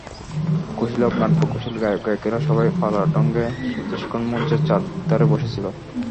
কুশীলব, নাট্য কুশীল, গায়ক-গায়িকারা সবাই পালার ঢঙে চতুষ্কোণ মঞ্চের চারধারে বসে ছিল।